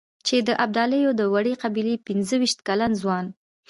چې د ابدالیو د وړې قبيلې پنځه وېشت کلن ځوان.